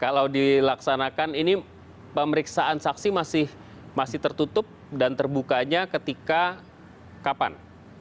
kalau dilaksanakan ini pemeriksaan saksi masih tertutup dan terbukanya ketika kapan